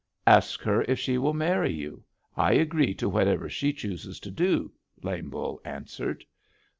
"'Ask her if she will marry you. I agree to whatever she chooses to do,' Lame Bull answered.